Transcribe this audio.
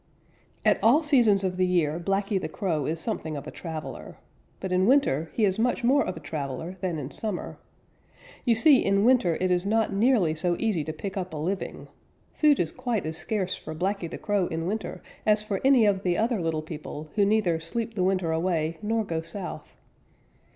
_ At all seasons of the year Blacky the Crow is something of a traveler. But in winter he is much more of a traveler than in summer. You see, in winter it is not nearly so easy to pick up a living. Food is quite as scarce for Blacky the Crow in winter as for any of the other little people who neither sleep the winter away nor go south.